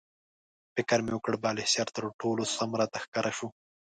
فکر مې وکړ، بالاحصار تر ټولو سم راته ښکاره شو.